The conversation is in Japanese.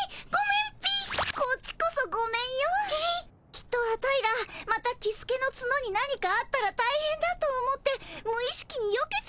きっとアタイらまたキスケのツノに何かあったらたいへんだと思って無意識によけちゃってたんだよ。